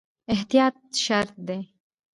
احتیاط شرط دی